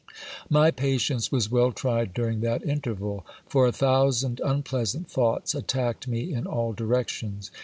My patience was well tried during that interval ; for a thousand unpleasant thoughts attacked me in all directions.